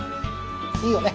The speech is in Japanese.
いいよね？